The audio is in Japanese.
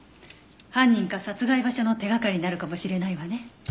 犯人か殺害場所の手掛かりになるかもしれないわね。